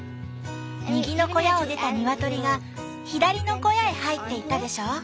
右の小屋を出たニワトリが左の小屋へ入っていったでしょ？